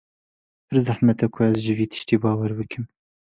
Pir zehmet e ku ez ji vî tiştî bawer bikim.